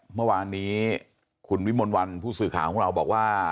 เมื่อวานนี้คุณวิมลวันผู้สื่อข่าวของเราบอกว่า